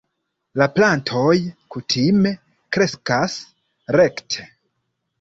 La plantoj kutime kreskas rekte.